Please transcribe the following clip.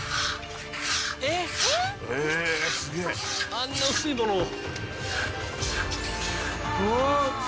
あんな薄いものを。